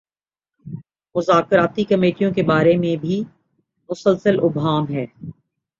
مذاکرتی کمیٹیوں کے بارے میں بھی مسلسل ابہام ہے۔